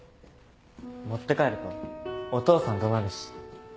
持って帰るとお父さん怒鳴るし。